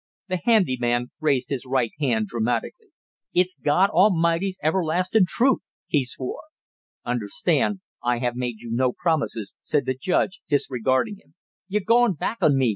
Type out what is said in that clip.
The handy man raised his right hand dramatically. "It's God A'mighty's everlastin' truth!" he swore. "Understand, I have made you no promises," said the judge, disregarding him. "You're goin' back on me!"